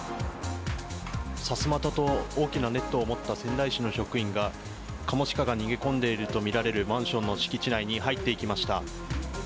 さすまたと大きなネットを持った仙台市の職員がカモシカが逃げ込んでいるとみられるマンションの敷地内に入っていきました。